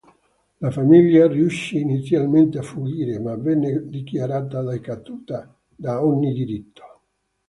La famiglia riuscì inizialmente a fuggire, ma venne dichiarata decaduta da ogni diritto.